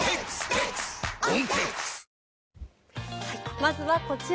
まずはこちら。